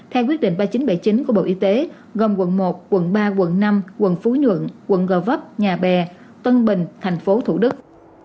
theo quyết định ba nghìn chín trăm bảy mươi chín của bộ y tế gồm quận một quận ba quận năm quận phú nhuận quận gò vấp nhà bè tân bình tp thủ đức